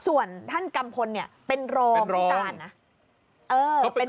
ส่วนท่านกรรมโพนเนี่ยเป็นโรงเป็นต่าง